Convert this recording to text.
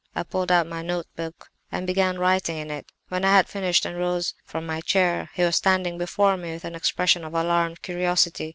I pulled out my note book and began writing in it. When I had finished and rose from my chair he was standing before me with an expression of alarmed curiosity.